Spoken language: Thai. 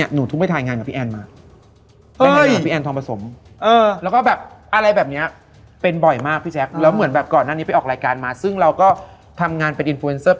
หนูก็แบบเป็นอะไรมึงเล่าสิ